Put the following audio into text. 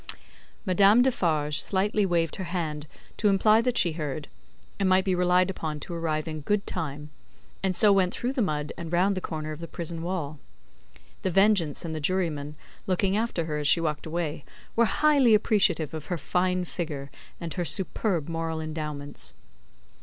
Madame Defarge slightly waved her hand, to imply that she heard, and might be relied upon to arrive in good time, and so went through the mud, and round the corner of the prison wall. The Vengeance and the Juryman, looking after her as she walked away, were highly appreciative of her fine figure, and her superb moral endowments.